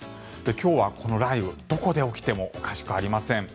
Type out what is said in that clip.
今日はこの雷雨どこで起きてもおかしくありません。